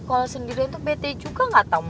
kalo sendirian tuh bete juga